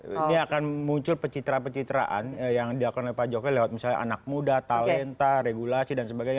ini akan muncul pecitra pecitraan yang diakukan oleh pak jokowi lewat misalnya anak muda talenta regulasi dan sebagainya